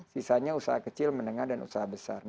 sisanya usaha kecil menengah dan usaha besar